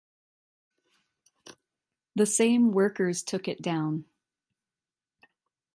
The same workers took it down.